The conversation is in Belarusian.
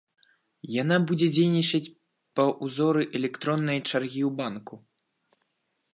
Яна будзе дзейнічаць па ўзоры электроннай чаргі ў банку.